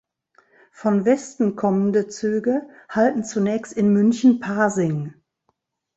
Von Westen kommende Züge halten zunächst in München-Pasing.